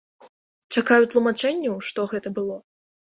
Чакаю тлумачэнняў, што гэта было.